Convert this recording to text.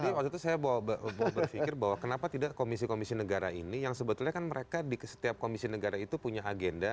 jadi waktu itu saya berpikir bahwa kenapa tidak komisi komisi negara ini yang sebetulnya kan mereka di setiap komisi negara itu punya agenda